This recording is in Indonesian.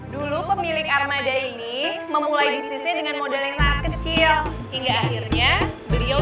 dulu pemilik armada ini memulai dengan modal kecil hingga akhirnya beliau